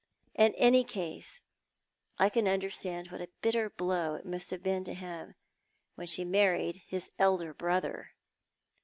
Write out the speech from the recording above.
In any case I can understand what a bitter blow it must have been to him when she married his elder brother.